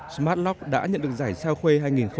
smart lock đã nhận được giải sao khuê hai nghìn một mươi chín